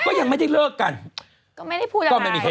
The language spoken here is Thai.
น้องนางก็อย่างนี้